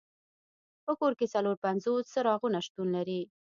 په کور کې څلور پنځوس څراغونه شتون لري.